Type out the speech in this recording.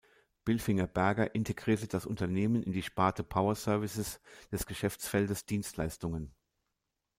Bilfinger Berger integrierte das Unternehmen in die Sparte "Power Services" des Geschäftsfeldes "Dienstleistungen".